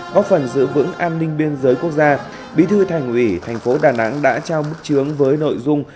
góp phần giữ vững an ninh biên giới quốc gia bí thư thành ủy tp đà nẵng đã trao bức chướng với nội dung